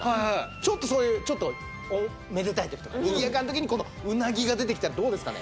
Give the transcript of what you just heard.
ちょっとそういうめでたい時とかにぎやかな時にこのうなぎが出てきたらどうですかね？